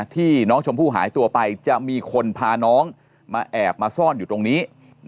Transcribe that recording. ที่น้องชมพู่หายตัวไปจะมีคนพาน้องมาแอบมาซ่อนอยู่ตรงนี้